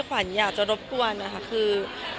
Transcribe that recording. ควันอยากจะรบกวนค่ะคือ